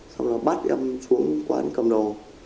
xong rồi bắt em xuống quán cầm đồ